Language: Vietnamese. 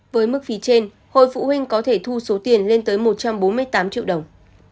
với mức phí trên hội phụ huynh có thể thu số tiền lên tới một trăm bốn mươi tám triệu đồng